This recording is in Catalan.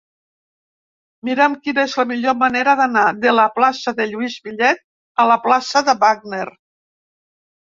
Mira'm quina és la millor manera d'anar de la plaça de Lluís Millet a la plaça de Wagner.